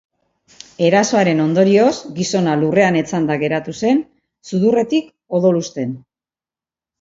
Erasoaren ondorioz, gizona lurrean etzanda geratu zen, sudurretik odoluzten.